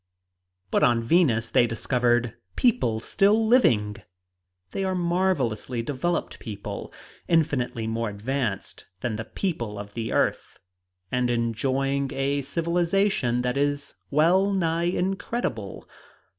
But on Venus they discovered people still living! They are marvelously developed people, infinitely more advanced than the people of the earth, and enjoying a civilization that is well nigh incredible.